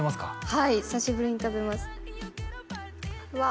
はい久しぶりに食べますうわ